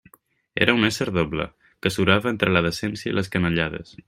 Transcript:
Era un ésser doble, que surava entre la decència i les canallades.